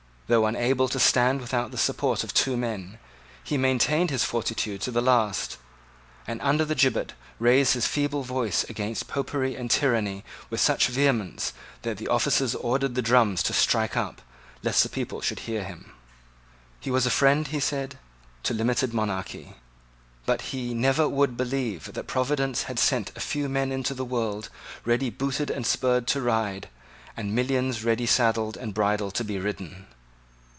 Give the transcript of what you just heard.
Though unable to stand without the support of two men, he maintained his fortitude to the last, and under the gibbet raised his feeble voice against Popery and tyranny with such vehemence that the officers ordered the drums to strike up, lest the people should hear him. He was a friend, he said, to limited monarchy. But he never would believe that Providence had sent a few men into the world ready booted and spurred to ride, and millions ready saddled and bridled to be ridden.